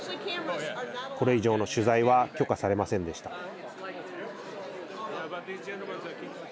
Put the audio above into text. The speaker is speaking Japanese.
これ以上の取材は許可されませんでした。